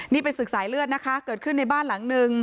นี่เป็นศึกสายเลือดนะคะเกิดขึ้นในบ้านหลังนึง